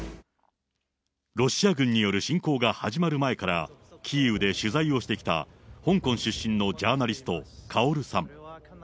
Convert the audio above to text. ロシア軍による侵攻が始まる前から、キーウで取材をしてきた、香港出身のジャーナリスト、カオルさん。